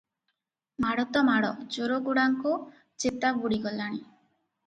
ମାଡ଼ ତ ମାଡ଼, ଚୋରଗୁଡ଼ାଙ୍କ ଚେତା ବୁଡ଼ିଗଲାଣି ।